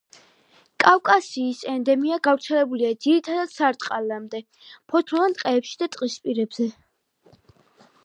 კავკასიის ენდემია, გავრცელებულია ძირითადად სარტყლამდე ფოთლოვან ტყეებში და ტყისპირებზე.